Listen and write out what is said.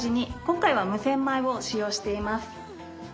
今回は無洗米を使用しています。